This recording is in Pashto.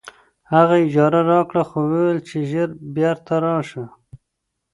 هغه اجازه راکړه خو وویل چې ژر بېرته راشه